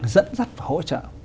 dẫn dắt và hỗ trợ